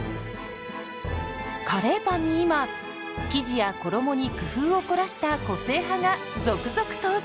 カレーパンに今生地や衣に工夫を凝らした個性派が続々登場！